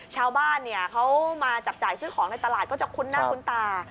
ชาวบ้านเขามาจับจ่ายซื้อของในตลาดก็จะคุ้นหน้าคุ้นตา